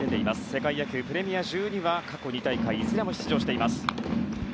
世界野球プレミア１２は過去２大会いずれも出場しています。